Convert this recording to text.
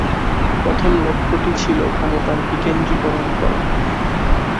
প্রথম লক্ষ্যটি ছিল ক্ষমতার বিকেন্দ্রীকরণ করা।